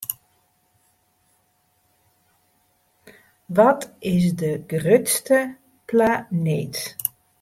Wat is de grutste planeet?